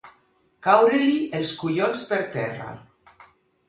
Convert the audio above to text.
Caure-li els collons per terra.